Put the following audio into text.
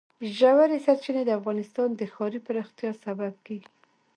ژورې سرچینې د افغانستان د ښاري پراختیا سبب کېږي.